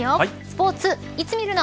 スポーツいつ見るの。